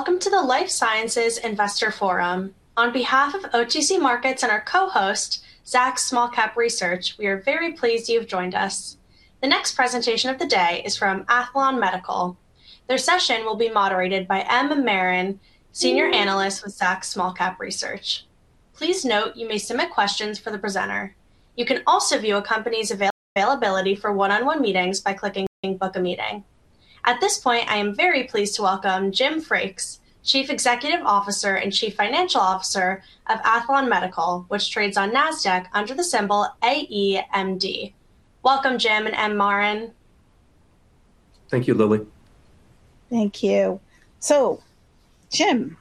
Welcome to the Life Sciences Investor Forum. On behalf of OTC Markets and our co-host, Zacks Small Cap Research, we are very pleased you've joined us. The next presentation of the day is from Aethlon Medical. Their session will be moderated by M Marin, Senior Analyst with Zacks Small Cap Research. Please note you may submit questions for the presenter. You can also view a company's availability for one-on-one meetings by clicking Book a Meeting. At this point, I am very pleased to welcome Jim Frakes, Chief Executive Officer and Chief Financial Officer of Aethlon Medical, which trades on Nasdaq under the symbol AEMD. Welcome, Jim and M Marin. Thank you, Lily. Thank you. Jim,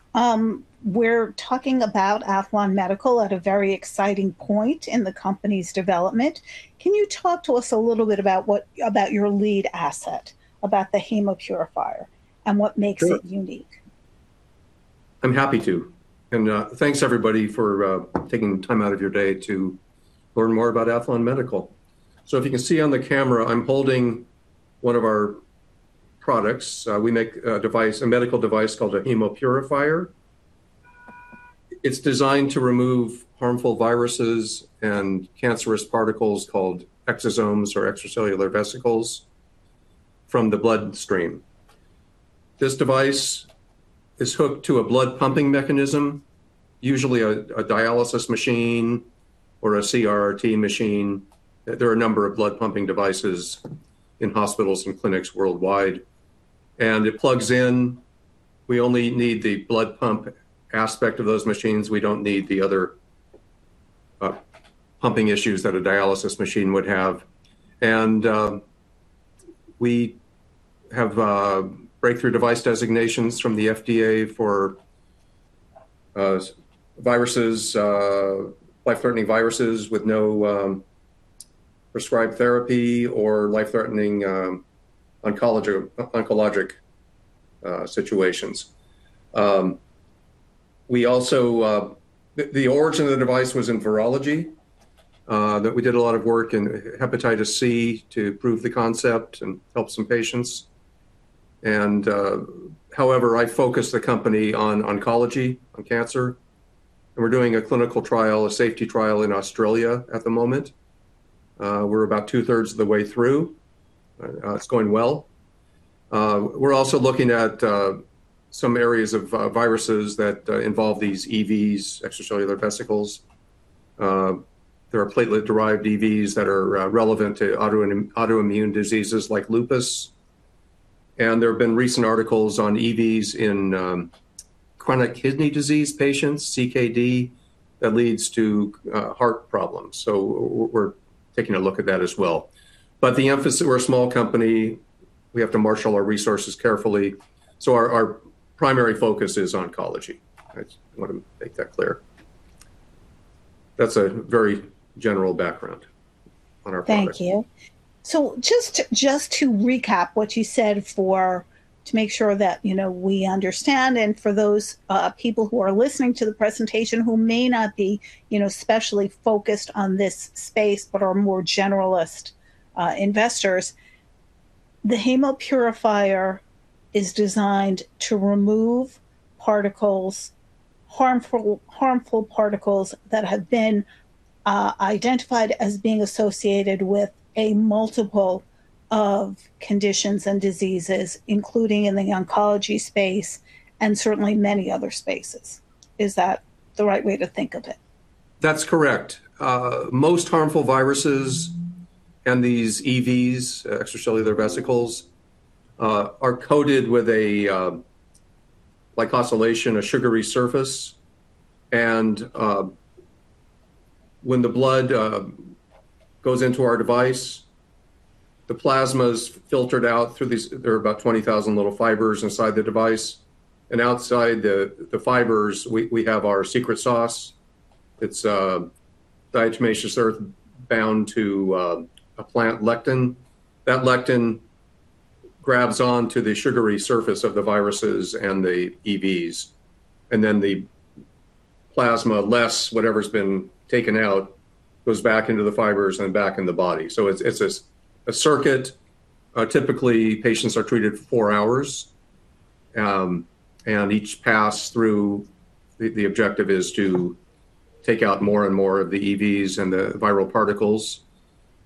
we're talking about Aethlon Medical at a very exciting point in the company's development. Can you talk to us a little bit about your lead asset, about the Hemopurifier and what makes it unique? Sure. I'm happy to. Thanks everybody for taking time out of your day to learn more about Aethlon Medical. If you can see on the camera, I'm holding one of our products. We make a device, a medical device called a Hemopurifier. It's designed to remove harmful viruses and cancerous particles called exosomes or extracellular vesicles from the bloodstream. This device is hooked to a blood pumping mechanism, usually a dialysis machine or a CRRT machine. There are a number of blood pumping devices in hospitals and clinics worldwide, and it plugs in. We only need the blood pump aspect of those machines. We don't need the other, pumping issues that a dialysis machine would have. We have Breakthrough Device designation from the FDA for life-threatening viruses with no prescribed therapy or life-threatening oncologic situations. We also, the origin of the device was in virology that we did a lot of work in hepatitis C to prove the concept and help some patients. However, I focus the company on oncology, on cancer, and we're doing a clinical trial, a safety trial in Australia at the moment. We're about two-thirds of the way through. It's going well. We're also looking at some areas of viruses that involve these EVs, extracellular vesicles. There are platelet-derived EVs that are relevant to autoimmune diseases like lupus, and there have been recent articles on EVs in chronic kidney disease patients, CKD, that leads to heart problems. We're taking a look at that as well. The emphasis. We're a small company, we have to marshal our resources carefully, so our primary focus is oncology. I just want to make that clear. That's a very general background on our products. Thank you. Just to recap what you said to make sure that, you know, we understand and for those people who are listening to the presentation who may not be, you know, specifically focused on this space but are more generalist investors, the Hemopurifier is designed to remove harmful particles that have been identified as being associated with a multiple of conditions and diseases, including in the oncology space and certainly many other spaces. Is that the right way to think of it? That's correct. Most harmful viruses and these EVs, extracellular vesicles, are coated with a glycosylation, a sugary surface. When the blood goes into our device, the plasma is filtered out through these. There are about 20,000 little fibers inside the device, and outside the fibers, we have our secret sauce. It's diatomaceous earth bound to a plant lectin. That lectin grabs on to the sugary surface of the viruses and the EVs. The plasma, less whatever's been taken out, goes back into the fibers and back in the body. It's a circuit. Typically, patients are treated four hours. Each pass-through, the objective is to take out more and more of the EVs and the viral particles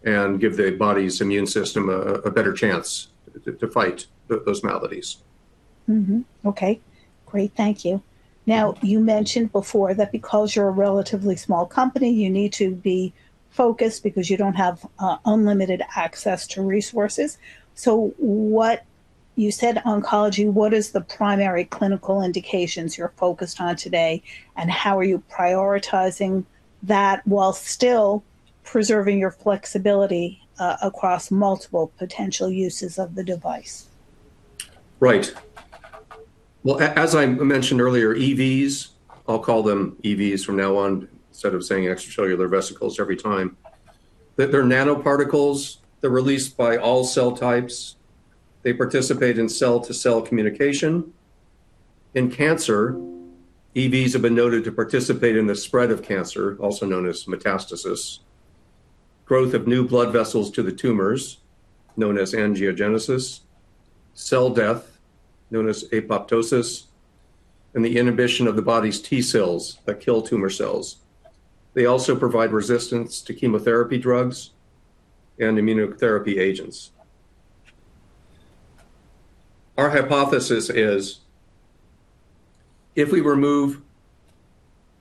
and give the body's immune system a better chance to fight those maladies. Okay. Great. Thank you. Now, you mentioned before that because you're a relatively small company, you need to be focused because you don't have unlimited access to resources. You said oncology, what is the primary clinical indications you're focused on today, and how are you prioritizing that while still preserving your flexibility across multiple potential uses of the device? Right. Well, as I mentioned earlier, EVs, I'll call them EVs from now on, instead of saying extracellular vesicles every time, that they're nanoparticles. They're released by all cell types. They participate in cell-to-cell communication. In cancer, EVs have been noted to participate in the spread of cancer, also known as metastasis, growth of new blood vessels to the tumors, known as angiogenesis, cell death, known as apoptosis, and the inhibition of the body's T-cells that kill tumor cells. They also provide resistance to chemotherapy drugs and immunotherapy agents. Our hypothesis is if we remove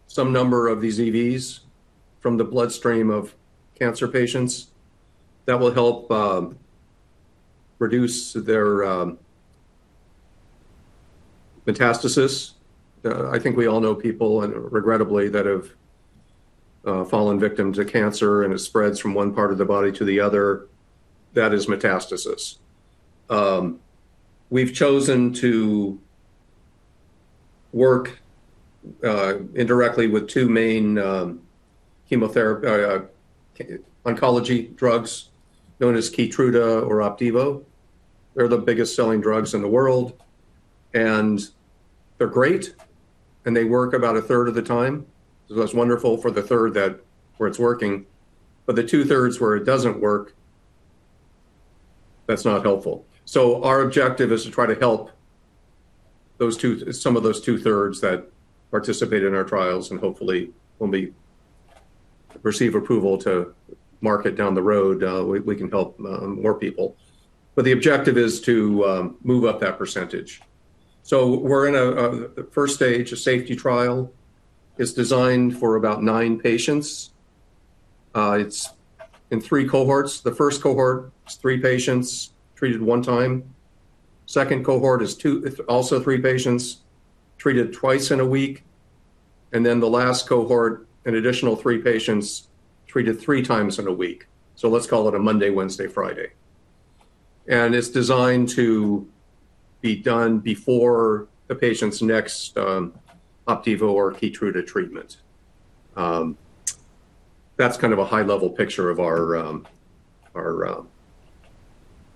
some number of these EVs from the bloodstream of cancer patients, that will help reduce their metastasis. I think we all know people and regrettably that have fallen victim to cancer, and it spreads from one part of the body to the other. That is metastasis. We've chosen to work indirectly with two main chemotherapy oncology drugs known as Keytruda or Opdivo. They're the biggest selling drugs in the world, and they're great, and they work about a third of the time. That's wonderful for the third where it's working. The two-thirds where it doesn't work, that's not helpful. Our objective is to try to help some of those two-thirds that participate in our trials, and hopefully when we receive approval to market down the road, we can help more people. The objective is to move up that percentage. We're in the first stage, a safety trial. It's designed for about nine patients. It's in three cohorts. The first cohort is three patients treated one time. Second cohort is two, also three patients treated twice in a week. The last cohort, an additional three patients treated three times in a week. Let's call it a Monday, Wednesday, Friday. It's designed to be done before a patient's next Opdivo or Keytruda treatment. That's kind of a high-level picture of our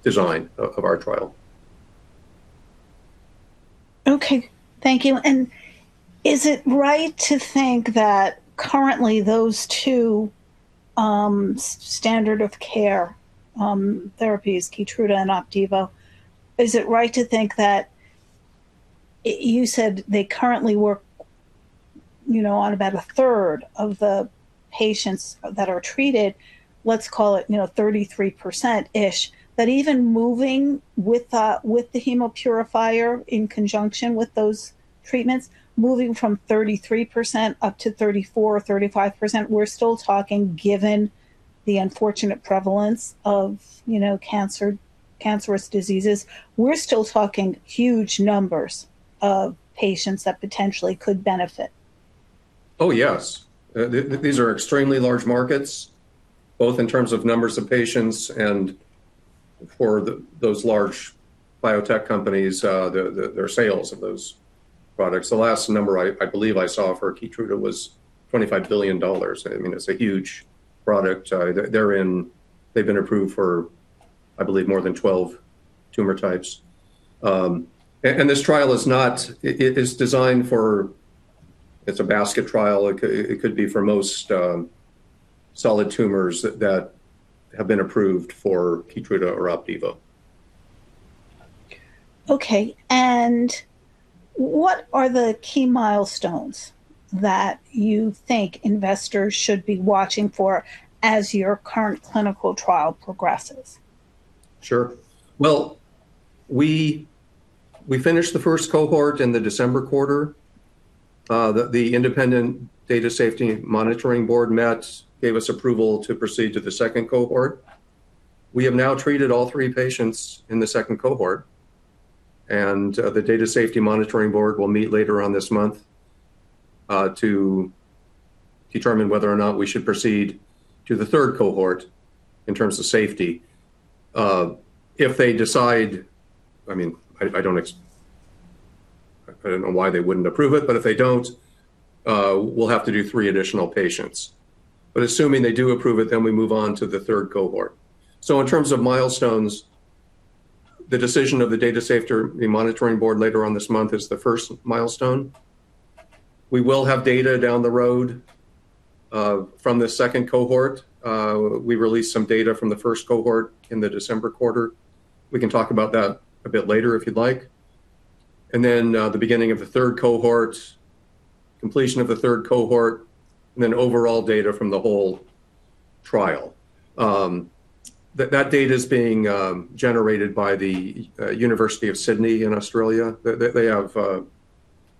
design of our trial. Okay. Thank you. Is it right to think that currently those two standard of care therapies, Keytruda and Opdivo, you said they currently work, you know, on about a third of the patients that are treated, let's call it, you know, 33%-ish. But even moving with the Hemopurifier in conjunction with those treatments, moving from 33% up to 34%-35%, we're still talking given the unfortunate prevalence of, you know, cancerous diseases, we're still talking huge numbers of patients that potentially could benefit. Oh, yes. These are extremely large markets, both in terms of numbers of patients and for those large biotech companies, their sales of those products. The last number I believe I saw for Keytruda was $25 billion. I mean, it's a huge product. They've been approved for, I believe, more than 12 tumor types. This trial is designed for, it's a basket trial. It could be for most solid tumors that have been approved for Keytruda or Opdivo. Okay. What are the key milestones that you think investors should be watching for as your current clinical trial progresses? Sure. Well, we finished the first cohort in the December quarter. The independent Data Safety Monitoring Board met, gave us approval to proceed to the second cohort. We have now treated all three patients in the second cohort, the Data Safety Monitoring Board will meet later on this month to determine whether or not we should proceed to the third cohort in terms of safety. If they decide, I don't know why they wouldn't approve it, but if they don't, we'll have to do three additional patients. Assuming they do approve it, then we move on to the third cohort. In terms of milestones, the decision of the Data Safety Monitoring Board later on this month is the first milestone. We will have data down the road from the second cohort. We released some data from the first cohort in the December quarter. We can talk about that a bit later if you'd like. Then, the beginning of the third cohort, completion of the third cohort, and then overall data from the whole trial. That data is being generated by the University of Sydney in Australia. They have a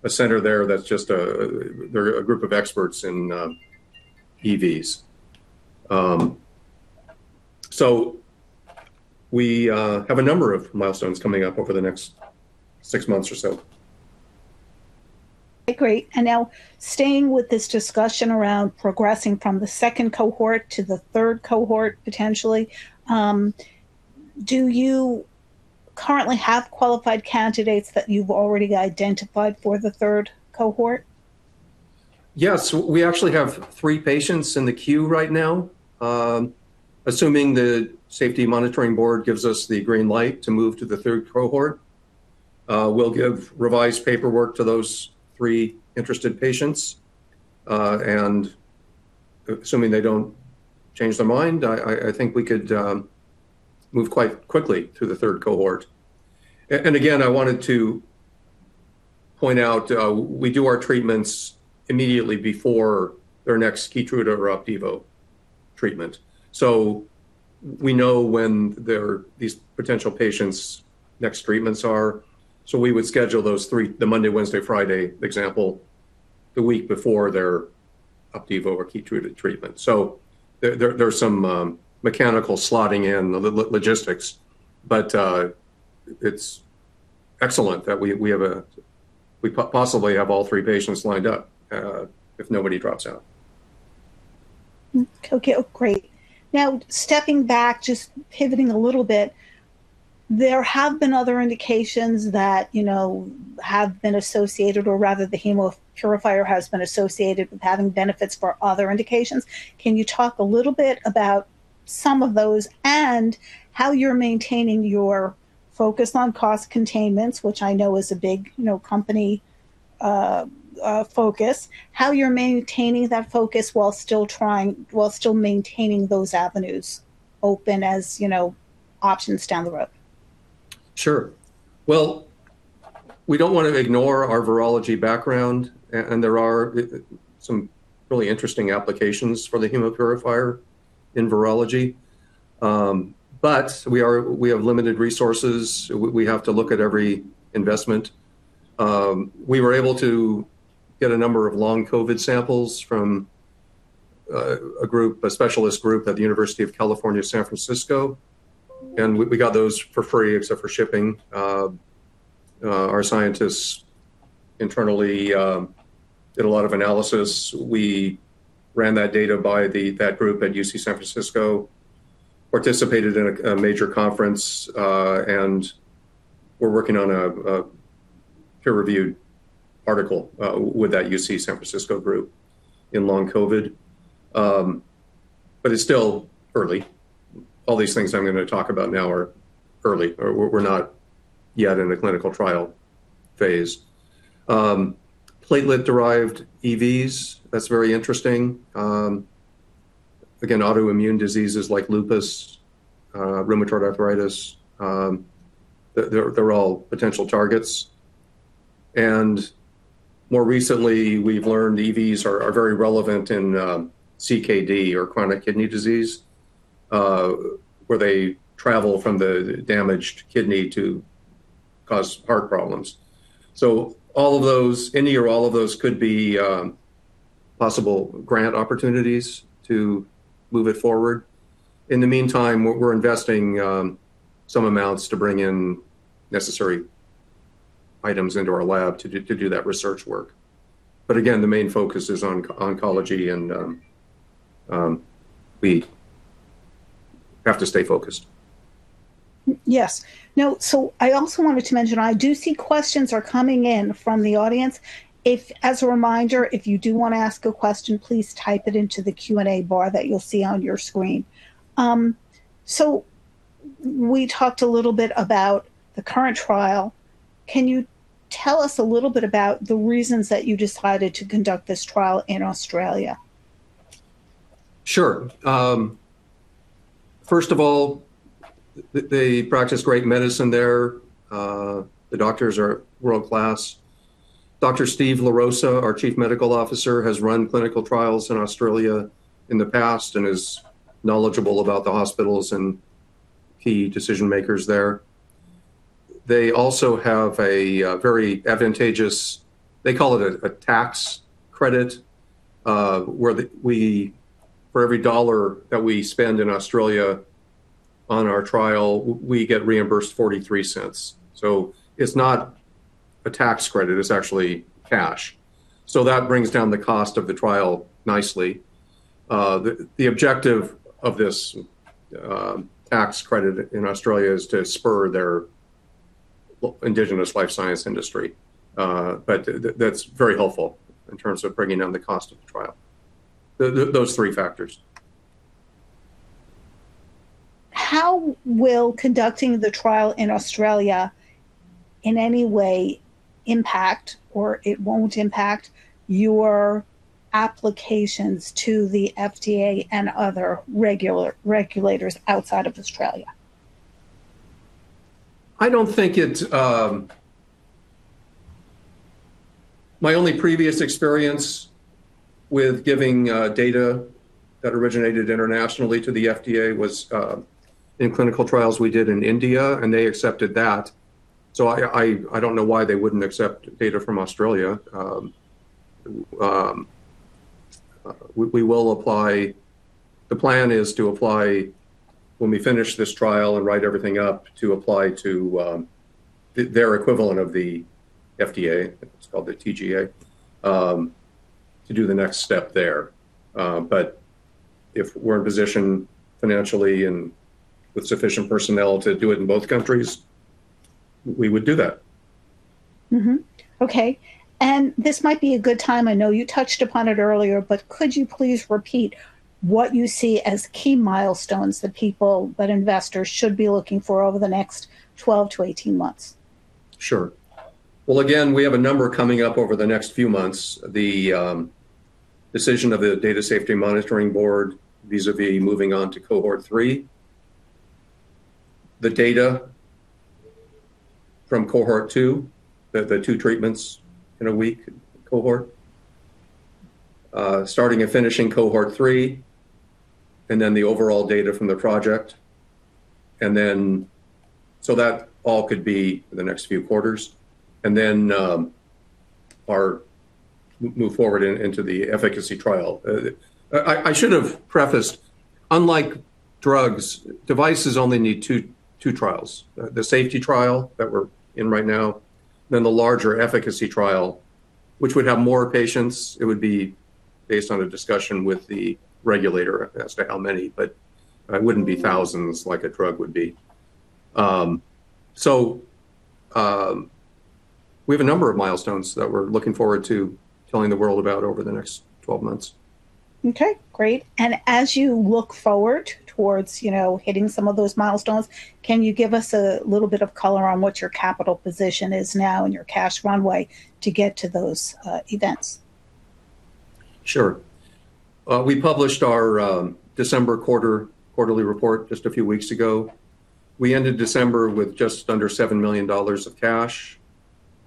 center there. They're a group of experts in EVs. We have a number of milestones coming up over the next six months or so. Okay, great. Now staying with this discussion around progressing from the second cohort to the third cohort, potentially, do you currently have qualified candidates that you've already identified for the third cohort? Yes. We actually have three patients in the queue right now. Assuming the safety monitoring board gives us the green light to move to the third cohort. We'll give revised paperwork to those three interested patients, and assuming they don't change their mind, I think we could move quite quickly through the third cohort. Again, I wanted to point out, we do our treatments immediately before their next Keytruda or Opdivo treatment. We know when their, these potential patients' next treatments are, so we would schedule those three, the Monday, Wednesday, Friday example, the week before their Opdivo or Keytruda treatment. There's some mechanical slotting in logistics, but it's excellent that we possibly have all three patients lined up, if nobody drops out. Okay. Oh, great. Now, stepping back, just pivoting a little bit, there have been other indications that, you know, have been associated, or rather the Hemopurifier has been associated with having benefits for other indications. Can you talk a little bit about some of those and how you're maintaining your focus on cost containments, which I know is a big, you know, company focus, how you're maintaining that focus while still maintaining those avenues open as, you know, options down the road? Sure. Well, we don't wanna ignore our virology background and there are some really interesting applications for the Hemopurifier in virology. But we have limited resources. We have to look at every investment. We were able to get a number of long COVID samples from a specialist group at the University of California, San Francisco, and we got those for free except for shipping. Our scientists internally did a lot of analysis. We ran that data by that group at UC San Francisco, participated in a major conference, and we're working on a peer-reviewed article with that UC San Francisco group in long COVID. But it's still early. All these things I'm gonna talk about now are early. We're not yet in the clinical trial phase. Platelet-derived EVs, that's very interesting. Again, autoimmune diseases like lupus, rheumatoid arthritis, they're all potential targets. More recently, we've learned EVs are very relevant in CKD or chronic kidney disease, where they travel from the damaged kidney to cause heart problems. All of those, any or all of those could be possible grant opportunities to move it forward. In the meantime, we're investing some amounts to bring in necessary items into our lab to do that research work. Again, the main focus is on oncology and we have to stay focused. Yes. Now, I also wanted to mention, I do see questions are coming in from the audience. If, as a reminder, you do wanna ask a question, please type it into the Q&A bar that you'll see on your screen. We talked a little bit about the current trial. Can you tell us a little bit about the reasons that you decided to conduct this trial in Australia? Sure. First of all, they practice great medicine there. The doctors are world-class. Dr. Steven LaRosa, our Chief Medical Officer, has run clinical trials in Australia in the past and is knowledgeable about the hospitals and key decision-makers there. They also have a very advantageous, they call it a tax credit, where we, for every $1 that we spend in Australia on our trial, we get reimbursed $0.43. It's not a tax credit, it's actually cash. That brings down the cost of the trial nicely. The objective of this tax credit in Australia is to spur their indigenous life science industry. That's very helpful in terms of bringing down the cost of the trial. Those three factors. How will conducting the trial in Australia in any way impact or it won't impact your applications to the FDA and other regulators outside of Australia? I don't think it- My only previous experience with giving data that originated internationally to the FDA was in clinical trials we did in India, and they accepted that. I don't know why they wouldn't accept data from Australia. We will apply. The plan is to apply when we finish this trial and write everything up to apply to their equivalent of the FDA, it's called the TGA, to do the next step there. If we're in position financially and with sufficient personnel to do it in both countries, we would do that. Okay. This might be a good time, I know you touched upon it earlier, but could you please repeat what you see as key milestones that people, that investors should be looking for over the next 12-18 months? Sure. Well, again, we have a number coming up over the next few months. The decision of the Data Safety Monitoring Board, vis-à-vis moving on to cohort three. The data from cohort two, the two treatments in a week cohort. Starting and finishing cohort three, and then the overall data from the project. That all could be the next few quarters. Our move forward into the efficacy trial. I should have prefaced, unlike drugs, devices only need two trials. The safety trial that we're in right now, then the larger efficacy trial which would have more patients. It would be based on a discussion with the regulator as to how many, but it wouldn't be thousands like a drug would be. We have a number of milestones that we're looking forward to telling the world about over the next 12 months. Okay. Great. As you look forward towards, you know, hitting some of those milestones, can you give us a little bit of color on what your capital position is now and your cash runway to get to those events? Sure. We published our December quarterly report just a few weeks ago. We ended December with just under $7 million of cash.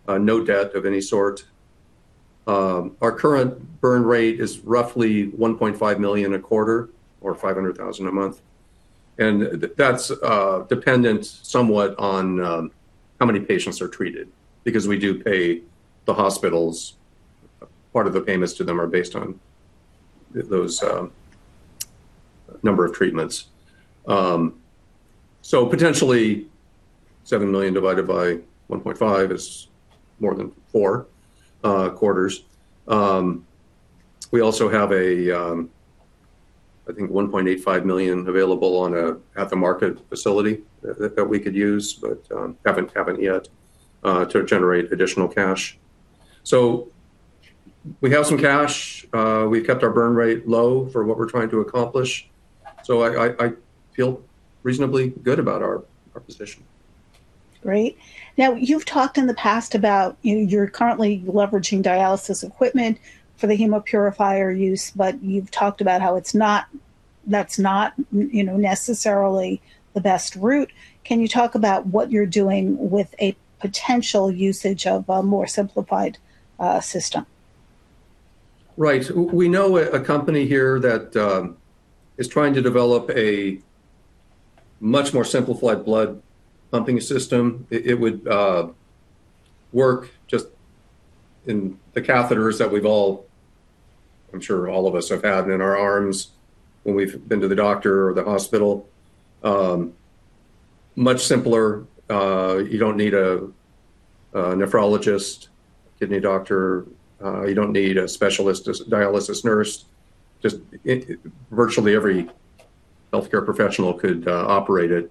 No debt of any sort. Our current burn rate is roughly $1.5 million a quarter or $500,000 a month. That's dependent somewhat on how many patients are treated because we do pay the hospitals. Part of the payments to them are based on those number of treatments. Potentially $7 million divided by $1.5 is more than four quarters. We also have a I think $1.85 million available on a at-the-market facility that we could use, but haven't yet to generate additional cash. We have some cash. We've kept our burn rate low for what we're trying to accomplish. I feel reasonably good about our position. Great. Now you've talked in the past about, you know, you're currently leveraging dialysis equipment for the Hemopurifier use, but you've talked about how that's not, you know, necessarily the best route. Can you talk about what you're doing with a potential usage of a more simplified system? Right. We know a company here that is trying to develop a much more simplified blood pumping system. It would work just in the catheters that we've all, I'm sure all of us have had in our arms when we've been to the doctor or the hospital. Much simpler. You don't need a nephrologist, kidney doctor, you don't need a specialist dialysis nurse. Just virtually every healthcare professional could operate it.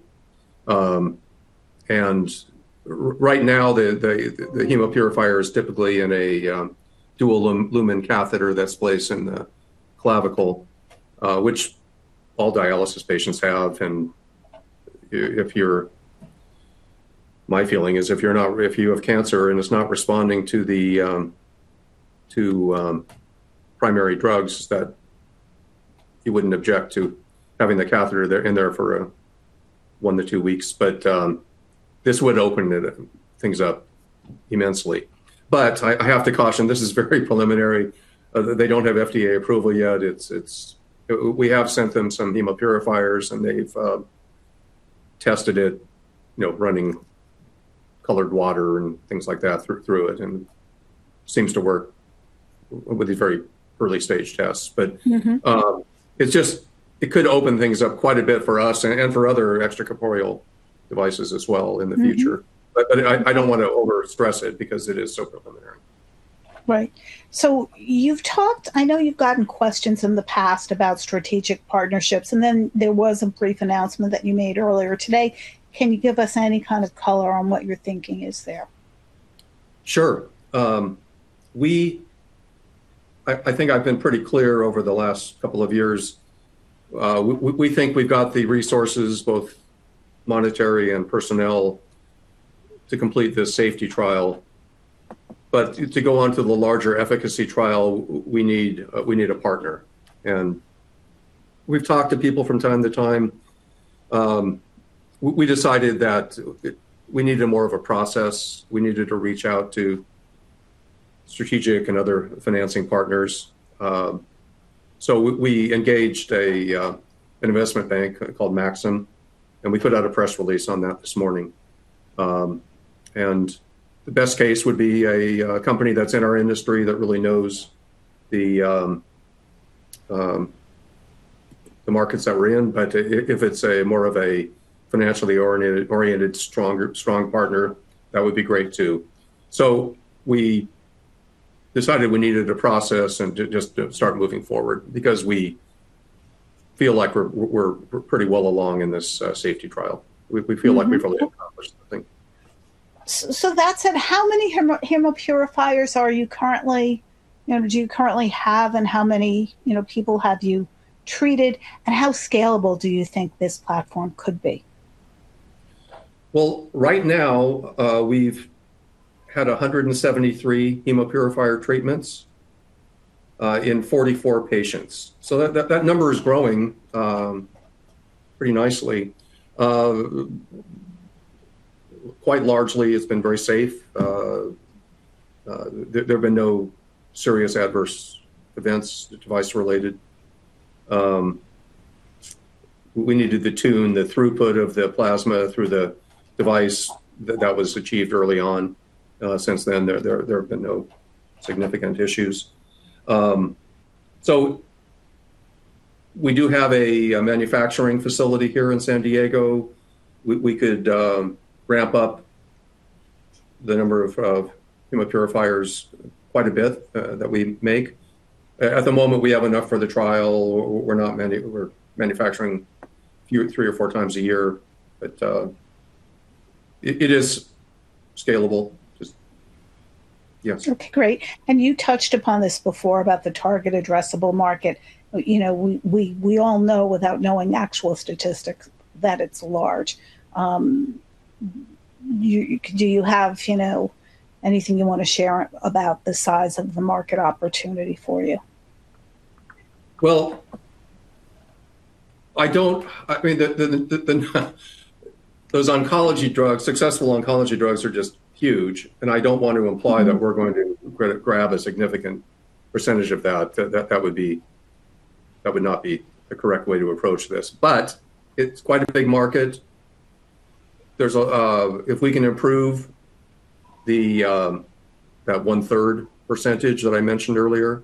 Right now the Hemopurifier is typically in a dual lumen catheter that's placed in the clavicle, which all dialysis patients have. My feeling is if you have cancer and it's not responding to the primary drugs that you wouldn't object to having the catheter there for one to two weeks. This would open things up immensely. I have to caution this is very preliminary. They don't have FDA approval yet. We have sent them some Hemopurifiers and they've tested it, you know, running colored water and things like that through it and seems to work with these very early-stage tests. It's just, it could open things up quite a bit for us and for other extracorporeal devices as well in the future. I don't wanna overstress it because it is so preliminary. Right. I know you've gotten questions in the past about strategic partnerships, and then there was a brief announcement that you made earlier today. Can you give us any kind of color on what you're thinking is there? Sure. I think I've been pretty clear over the last couple of years. We think we've got the resources both monetary and personnel to complete this safety trial. To go on to the larger efficacy trial we need a partner and we've talked to people from time to time. We decided that we needed more of a process. We needed to reach out to strategic and other financing partners. We engaged an investment bank called Maxim, and we put out a press release on that this morning. The best case would be a company that's in our industry that really knows the markets that we're in. If it's more of a financially oriented stronger partner, that would be great too. We decided we needed a process and to just to start moving forward because we feel like we're pretty well along in this safety trial. We feel. Like we've really accomplished something. That said, how many Hemopurifiers are you currently, you know, do you currently have, and how many, you know, people have you treated, and how scalable do you think this platform could be? Well, right now, we've had 173 Hemopurifier treatments in 44 patients. That number is growing pretty nicely. Quite largely it's been very safe. There have been no serious adverse events device related. We needed to tune the throughput of the plasma through the device. That was achieved early on. Since then there have been no significant issues. We do have a manufacturing facility here in San Diego. We could ramp up the number of Hemopurifiers quite a bit that we make. At the moment, we have enough for the trial. We're manufacturing three or four times a year, but it is scalable. Okay. Great. You touched upon this before about the target addressable market. You know, we all know without knowing the actual statistics that it's large. Do you have, you know, anything you wanna share about the size of the market opportunity for you? Well, I don't. I mean, those oncology drugs, successful oncology drugs are just huge, and I don't want to imply that we're going to grab a significant percentage of that. That would not be the correct way to approach this. It's quite a big market. If we can improve that 1/3 percentage that I mentioned earlier,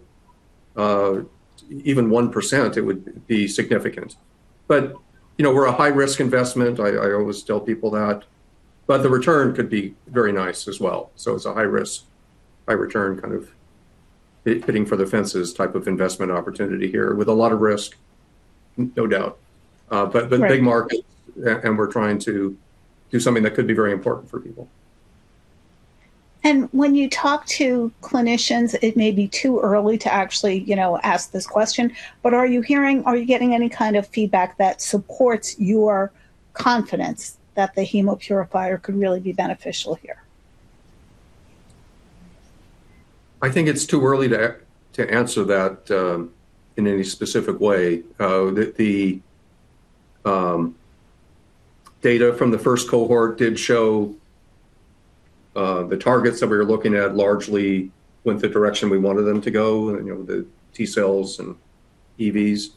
even 1%, it would be significant. You know, we're a high-risk investment. I always tell people that, but the return could be very nice as well. It's a high-risk, high-return kind of hitting for the fences type of investment opportunity here, with a lot of risk, no doubt. But big market, we're trying to do something that could be very important for people. When you talk to clinicians, it may be too early to actually, you know, ask this question, but are you hearing, are you getting any kind of feedback that supports your confidence that the Hemopurifier could really be beneficial here? I think it's too early to answer that in any specific way. The data from the first cohort did show the targets that we were looking at largely went the direction we wanted them to go, and you know, with the T-cells and EVs,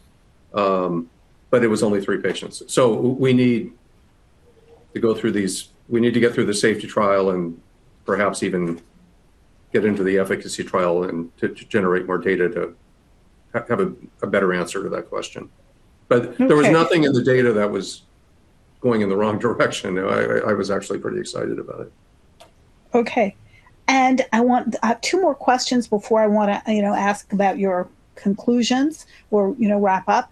but it was only three patients. We need to go through these. We need to get through the safety trial and perhaps even get into the efficacy trial to generate more data to have a better answer to that question. There was nothing in the data that was going in the wrong direction. I was actually pretty excited about it. Okay. I have two more questions before I wanna, you know, ask about your conclusions or, you know, wrap up.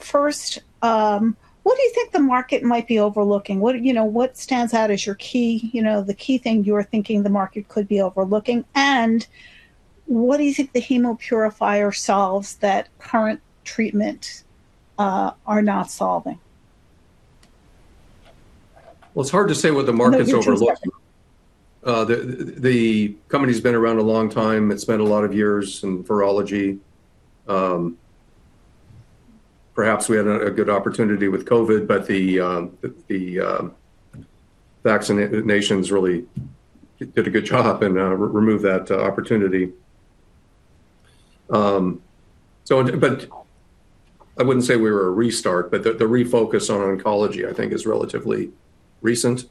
First, what do you think the market might be overlooking? What stands out as your key, you know, the key thing you are thinking the market could be overlooking? What do you think the Hemopurifier solves that current treatment are not solving? Well, it's hard to say what the market's overlooking. The company's been around a long time. It spent a lot of years in virology. Perhaps we had a good opportunity with COVID, but the vaccinations really did a good job and removed that opportunity. I wouldn't say we were a restart, but the refocus on oncology I think is relatively recent,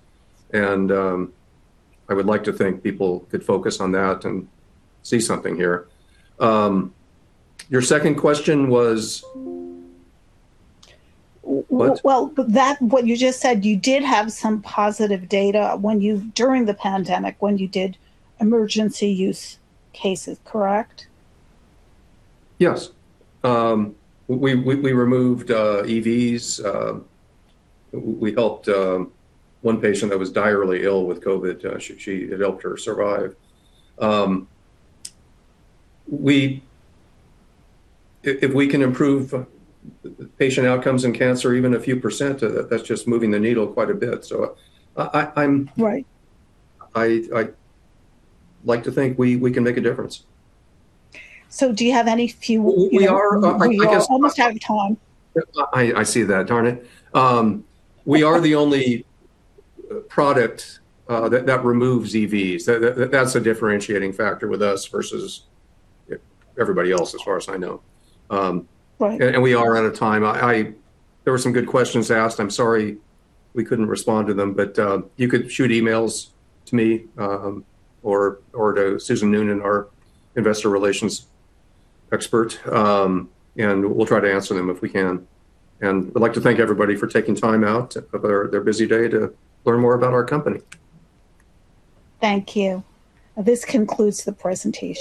and I would like to think people could focus on that and see something here. Your second question was what? Well, what you just said, you did have some positive data during the pandemic when you did emergency use cases, correct? Yes. We removed EVs. We helped one patient that was direly ill with COVID. It helped her survive. If we can improve patient outcomes in cancer even a few%, that's just moving the needle quite a bit. I'm, I like to think we can make a difference. Do you have a few, you know? We are almost out of time. I see that. Darn it. We are the only product that removes EVs. That's a differentiating factor with us versus everybody else as far as I know. We are out of time. There were some good questions asked. I'm sorry we couldn't respond to them, but you could shoot emails to me, or to Susan Noonan, our investor relations expert, and we'll try to answer them if we can. I'd like to thank everybody for taking time out of their busy day to learn more about our company. Thank you. This concludes the presentation.